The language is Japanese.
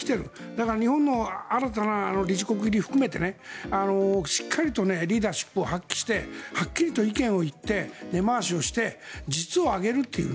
だから日本も新たな理事国入りを含めてしっかりとリーダーシップを発揮してはっきりと意見を言って根回しをして実を挙げるという。